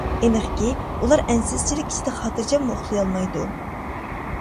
ئېنىقكى، ئۇلار ئەنسىزچىلىك ئىچىدە خاتىرجەممۇ ئۇخلىيالمايدۇ.